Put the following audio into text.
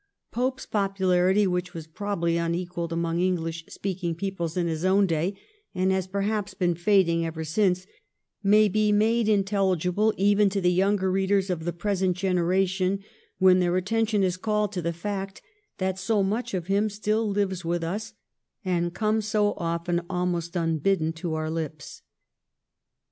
Pope's popu larity, which was probably unequalled among English speaking peoples in his own day, and has perhaps been fading ever since, may be made in telligible even to the younger readers of the present generation when their attention is called to the fact that so much of him still lives with us, and comes so often almost unbidden to our lips.